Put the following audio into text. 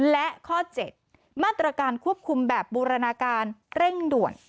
และข้อ๗มาตรการควบคุมแบบบูรณาการเร่งด่วน